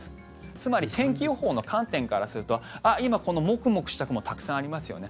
つまり天気予報の観点からすると今このモクモクした雲たくさんありますよね。